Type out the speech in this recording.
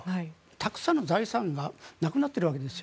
たくさんの財産がなくなってるわけです。